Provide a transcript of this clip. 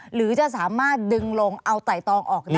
หรือจะสามารถดึงลงเอาไต่ตองออกได้